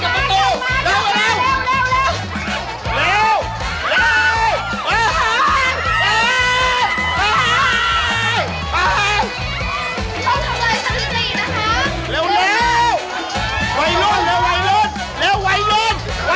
เข้ามาเร็ว